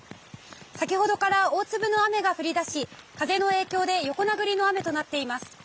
先ほどから大粒の雨が降り出し風の影響で横殴りの雨となっています。